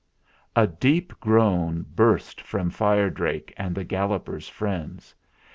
A deep groan burst from Fire Drake and the Galloper's friends.